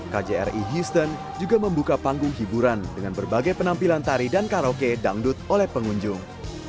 kjri houston juga membuka panggung hiburan dengan berbagai penampilan tari dan karaoke dangdut oleh pengunjung